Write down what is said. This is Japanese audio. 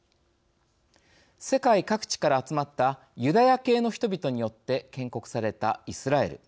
世界各地から集まったユダヤ系の人々によって建国されたイスラエル。